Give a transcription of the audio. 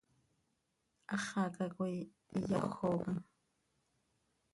Háxaca coi ihyahójocam.